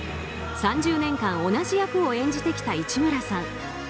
３０年間同じ役を演じてきた市村さん。